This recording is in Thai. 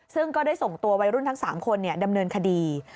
ซึ่งก็ได้ส่งตัววัยรุ่นทั้ง๓คนดำเนินคดี